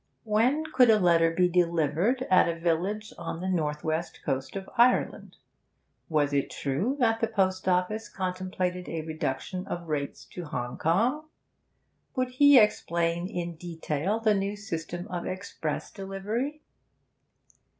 When could a letter be delivered at a village on the north west coast of Ireland? Was it true that the Post Office contemplated a reduction of rates to Hong Kong? Would he explain in detail the new system of express delivery?